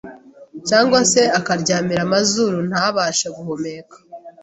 cyangwa se akaryamira amazuru ntabashe guhumeka,